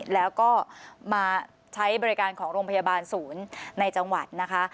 แล้วก็มาใช้บริการของโรงพยาบาลศูนย์ในจังหวัดนะคะ